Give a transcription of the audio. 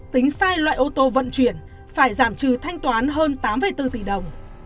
tính sai loại ô tô vận chuyển phải giảm trừ thanh toán hơn tám bốn tỷ đồng